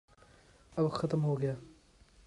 اب ختم ہوگیا۔